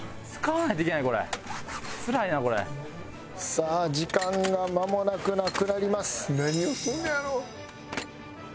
さあ時間がまもなくなくなります。